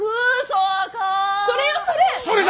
それよそれ！